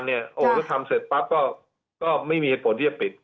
แล้วทำเสร็จปั๊บก็ไม่มีเหตุผลที่จะปิด